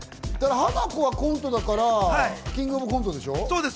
ハナコはコントだから『キングオブコント』でしょ？